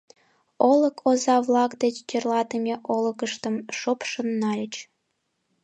Олык оза-влак деч тӧрлатыме олыкыштым шупшын нальыч.